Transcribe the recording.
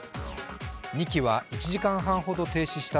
２機は１時間半ほど停止した